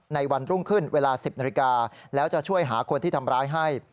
วันรุ่งขึ้นเวลา๑๐นาฬิกาแล้วจะช่วยหาคนที่ทำร้ายให้